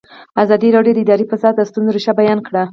ازادي راډیو د اداري فساد د ستونزو رېښه بیان کړې.